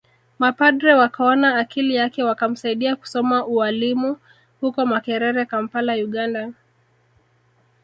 Mapadre wakaona akili yake wakamsaidia kusoma ualimu huko Makerere Kampala Uganda